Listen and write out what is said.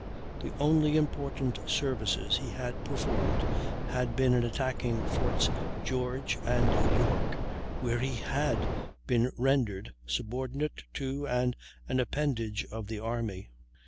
The only important services he had performed had been in attacking Forts George and York, where he had been rendered "subordinate to, and an appendage of, the army."